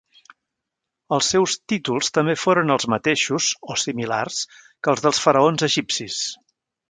Els seus títols també foren els mateixos o similars que els dels faraons egipcis.